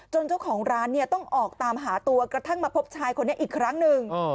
เจ้าของร้านเนี่ยต้องออกตามหาตัวกระทั่งมาพบชายคนนี้อีกครั้งหนึ่ง